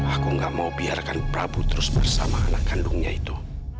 aku gak mau biarkan prabu terus bersama anak kandungnya itu